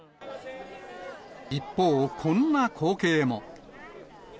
一方、こんな光景も。